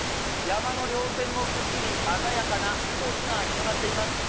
山のりょう線もくっきり鮮やかな緑が広がっています。